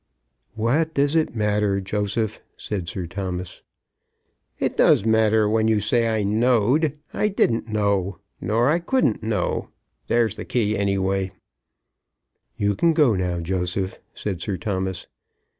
"What does it matter, Joseph?" said Sir Thomas. "It does matter when you say I knowed. I didn't know, nor I couldn't know. There's the key anyhow." "You can go now, Joseph," said Sir Thomas.